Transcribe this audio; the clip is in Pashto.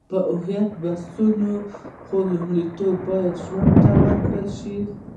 په هویت بحثونه، خو لومړیتوب باید ژوند ته ورکړل شي.